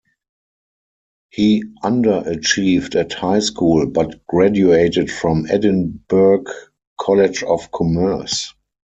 He underachieved at High School but graduated from Edinburgh College of Commerce.